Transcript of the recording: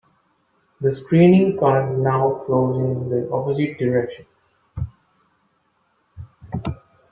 The screening current now flows in the opposite direction.